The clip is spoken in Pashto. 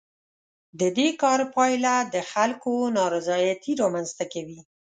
د دې کار پایله د خلکو نارضایتي رامنځ ته کوي.